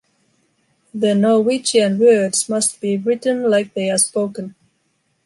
The Norwegian words must be written like they are spoken.